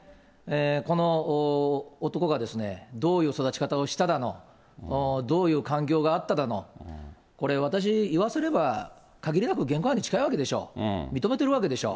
この男がどういう育ち方をしただの、どういう環境があっただの、これ、私に言わせれば、かぎりなく現行犯に近いわけでしょう、認めてるわけでしょ。